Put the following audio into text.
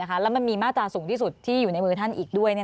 แล้วมันมีมาตราสูงที่สุดที่อยู่ในมือท่านอีกด้วย